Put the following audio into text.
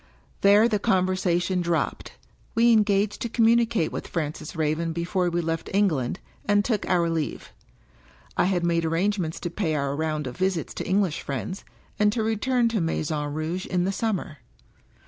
There the conversation dropped. We engaged to com mimicate with Francis Raven before we left England, and took our leave. I had made arrangements to pay our round of visits to English friends, and to return to Maison Rouge in 'the summer.